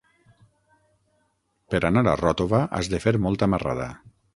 Per anar a Ròtova has de fer molta marrada.